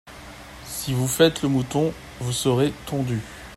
Si vous faites le mouton vous serez tondus.